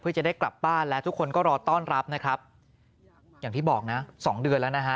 เพื่อจะได้กลับบ้านและทุกคนก็รอต้อนรับนะครับอย่างที่บอกนะสองเดือนแล้วนะฮะ